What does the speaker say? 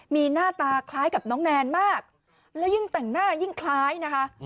มีหน้าตาคล้ายกับน้องแนนมากแล้วยิ่งแต่งหน้ายิ่งคล้ายนะคะ